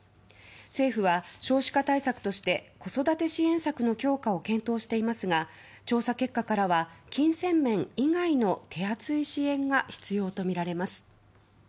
政府は少子化対策として子育て支援策の強化を検討していますが調査結果からは金銭面以外の手厚い支援が必要とみられます。